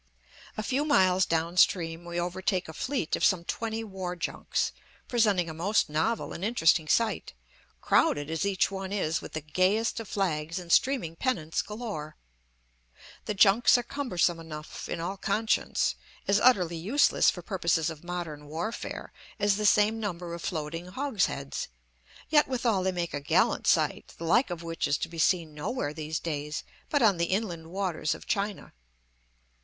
A few miles down stream we overtake a fleet of some twenty war junks, presenting a most novel and interesting sight, crowded as each one is with the gayest of flags and streaming pennants galore. The junks are cumbersome enough, in all conscience, as utterly useless for purposes of modern warfare as the same number of floating hogsheads; yet withal they make a gallant sight, the like of which is to be seen nowhere these days but on the inland waters of China.